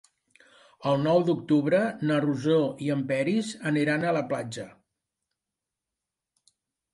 El nou d'octubre na Rosó i en Peris aniran a la platja.